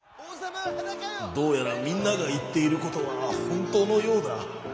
「どうやらみんながいっていることはほんとうのようだ。